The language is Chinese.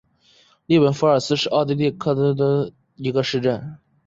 利本弗尔斯是奥地利克恩顿州格兰河畔圣法伊特县的一个市镇。